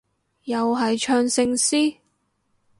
又係唱聖詩？